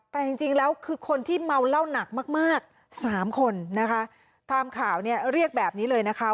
แต่จริงจริงแล้วคือคนที่เมาเหล้าหนักมากมากสามคนนะคะตามข่าวเนี่ยเรียกแบบนี้เลยนะคะ